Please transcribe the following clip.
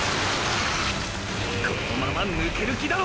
このままぬける気だろ！！